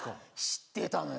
知ってたのよ。